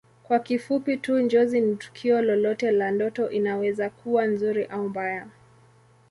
Kwa kifupi tu Njozi ni tukio lolote la ndoto inaweza kuwa nzuri au mbaya